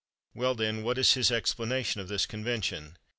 Well, then, what is his explanation of this convention?